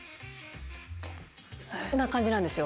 な感じなんですよ。